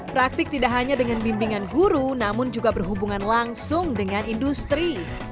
praktik tidak hanya dengan bimbingan guru namun juga berhubungan langsung dengan industri